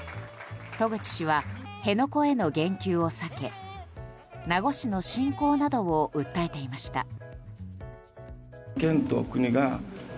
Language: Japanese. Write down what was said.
渡具知氏は辺野古への言及を避け名護市の振興などを訴えていました。